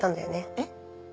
えっ？